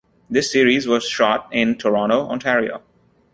This series was shot in Toronto, Ontario.